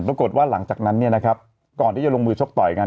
ปรากฏว่าหลังจากนั้นเนี่ยนะครับก่อนที่จะลงมือชกต่อยกัน